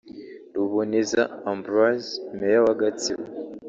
Ruboneza Ambroise Mayor wa Gatsibo